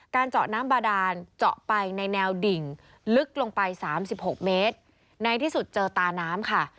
เจาะน้ำบาดานเจาะไปในแนวดิ่งลึกลงไป๓๖เมตรในที่สุดเจอตาน้ำค่ะ